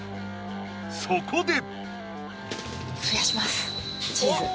そこで！